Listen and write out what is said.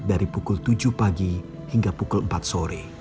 dari pukul tujuh pagi hingga pukul empat sore